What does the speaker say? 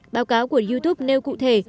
báo cáo của youtube nêu cụ thể